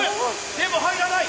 でも入らない！